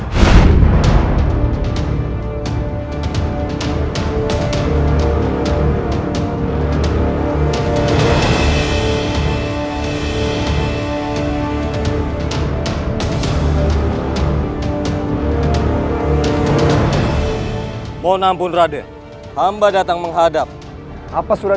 aku ingin murah sama cancelledunere